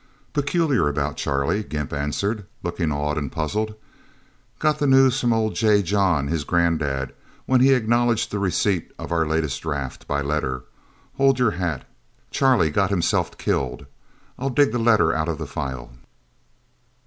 "Peculiar about Charlie," Gimp answered, looking awed and puzzled. "Got the news from old J. John, his granddad, when he acknowledged the receipt of our latest draft, by letter. Hold your hat. Charlie got himself killed... I'll dig the letter out of the file."